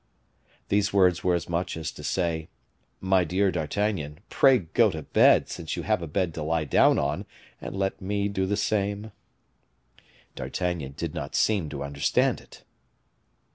These words were as much as to say, "My dear D'Artagnan, pray go to bed, since you have a bed to lie down on, and let me do the same." D'Artagnan did not seem to understand it.